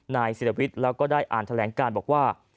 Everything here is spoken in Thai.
นายศิลวิทย์แล้วก็ได้อ่านแถลงการบอกว่า